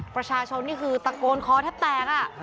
ประชาชนนี่คือตะโกนคอแทบแตก